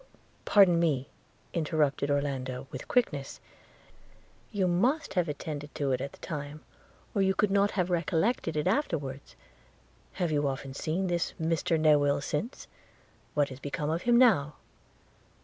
'Pardon me,' interrupted Orlando, with quickness – 'you must have attended to it at the time, or you could not have recollected it afterwards. Have you often seen this Mr Newill since? What is become of him now?'